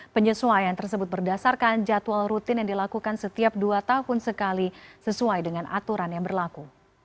penyesuaian tersebut berdasarkan jadwal rutin yang dilakukan setiap dua tahun sekali sesuai dengan aturan yang berlaku